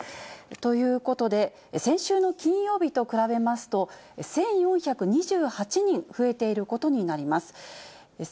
ということで、先週の金曜日と比べますと、１４２８人増えていることになります。